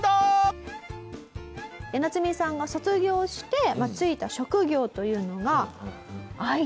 ナツミさんが卒業して就いた職業というのが。